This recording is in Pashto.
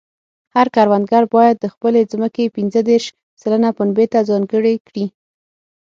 هر کروندګر باید د خپلې ځمکې پنځه دېرش سلنه پنبې ته ځانګړې کړي.